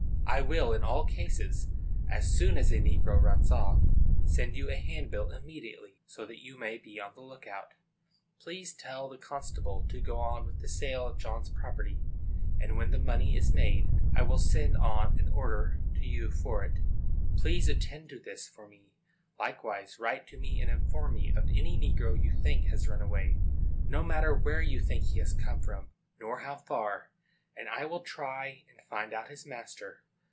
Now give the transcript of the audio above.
I will in all cases, as soon as a negro runs off, send you a handbill immediately, so that you may be on the look out. Please tell the constable to go on with the sale of John's property; and, when the money is made, I will send on an order to you for it. Please attend to this for me; likewise write to me, and inform me of any negro you think has run away,—no matter where you think he has come from, nor how far,—and I will try and find out his master.